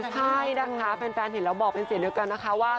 ใช่นะคะแฟนเห็นแล้วบอกเป็นเสียงเดียวกันนะคะว่า